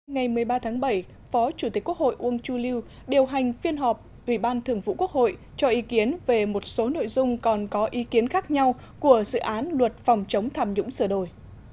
ngày một mươi ba tháng bảy phó chủ tịch quốc hội uông chu lưu điều hành phiên họp ubthqh cho ý kiến về một số nội dung còn có ý kiến khác nhau của dự án luật phòng chống tham nhũng sửa đổi